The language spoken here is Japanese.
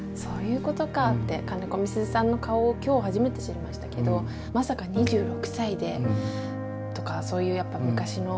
金子みすゞさんの顔を今日初めて知りましたけどまさか２６歳でとかそういうやっぱ昔の。